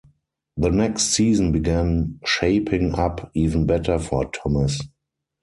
The next season began shaping up even better for Thomas.